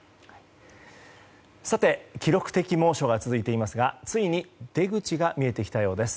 さて、記録的猛暑が続いていますがついに出口が見えてきたようです。